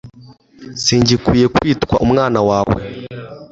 singikwiye kwitwa umwana wawe